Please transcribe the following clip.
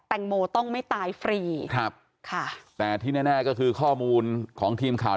โมต้องไม่ตายฟรีครับค่ะแต่ที่แน่แน่ก็คือข้อมูลของทีมข่าว